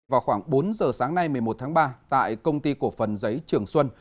vào khoảng bốn giờ sáng nay một mươi một tháng ba tại công ty cổ phần giấy trường xuân